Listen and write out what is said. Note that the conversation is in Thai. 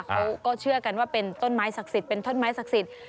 เขาก็เชื่อกันว่าเป็นต้นไม้ศักดิ์สิทธิ์